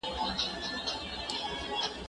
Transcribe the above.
زه پرون لاس مينځلی و